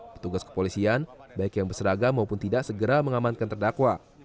petugas kepolisian baik yang berseragam maupun tidak segera mengamankan terdakwa